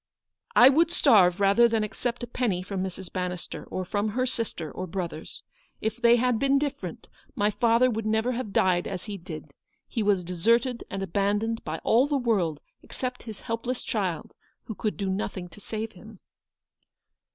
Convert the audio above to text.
"I would starve rather than accept a penny from Mrs. Bannister, or from her sister or LOOKING TO THE FUTURE. 185 brothers. If they had been different, my father would never have died as he did. He was deserted and abandoned by all the world, except his helpless child, who could do nothing to save him."